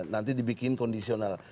nanti dibikin kondisional